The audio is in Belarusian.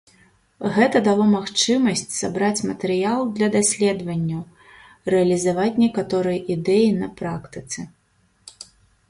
Гэта дало магчымасць сабраць матэрыял для даследаванняў, рэалізаваць некаторыя ідэі на практыцы.